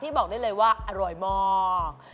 บอกได้เลยว่าอร่อยมาก